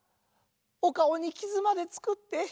おかおにきずまでつくって。